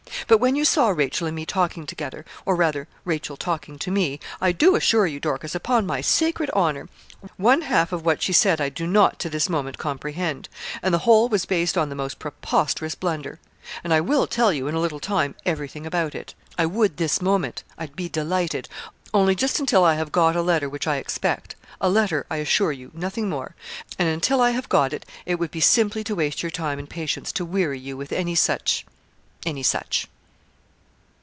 'But when you saw Rachel and me talking together, or rather Rachel talking to me, I do assure you, Dorcas, upon my sacred honour, one half of what she said I do not to this moment comprehend, and the whole was based on the most preposterous blunder; and I will tell you in a little time everything about it. I would this moment I'd be delighted only just until I have got a letter which I expect a letter, I assure you, nothing more and until I have got it, it would be simply to waste your time and patience to weary you with any such any such.'